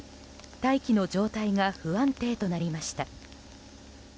大気の状態が不安定となりました。